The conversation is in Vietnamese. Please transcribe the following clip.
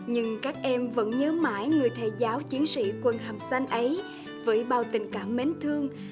nhưng các em vẫn nhớ mãi người thầy giáo chiến sĩ quân hàm xanh ấy với bao tình cảm mến thương